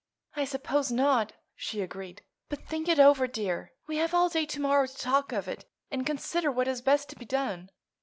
"I suppose not," she agreed. "But think it over, dear. We have all day to morrow to talk of it and consider what is best to be done.